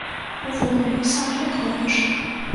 Увогуле, сам як робіш?